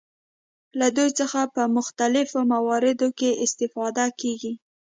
له دوی څخه په مختلفو مواردو کې استفاده کیږي.